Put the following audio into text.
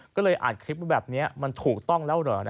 ก็เลยอัดคลิปแบบนี้มันถูกต้องแล้วเหรอ